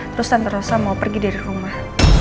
terus tante rosa mau pergi dari rumah